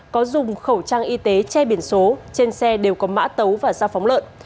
có dùng khẩu trang y tế che biển số trên xe đều có mã tấu và dao phóng lợn